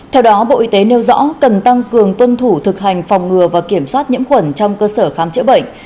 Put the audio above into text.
theo đó bộ y tế nêu rõ cần tăng cường tuân thủ thực hành phòng ngừa và kiểm soát nhiễm khuẩn trong cơ sở khám chữa bệnh